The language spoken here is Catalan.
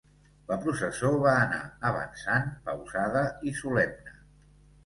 La processó va anar avançant, pausada i solemne.